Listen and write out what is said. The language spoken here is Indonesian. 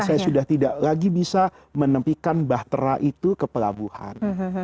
saya sudah tidak lagi bisa menempikan bahtera itu ke pelabuhan